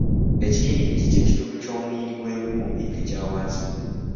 Ekiyiniggi kye kitundu ky'omuyini gw'enkumbi ekya wansi.